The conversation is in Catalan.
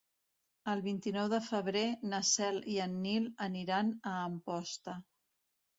El vint-i-nou de febrer na Cel i en Nil aniran a Amposta.